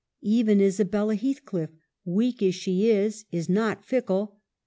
Even Isabella Heathcliff, weak as she is, is not fickle.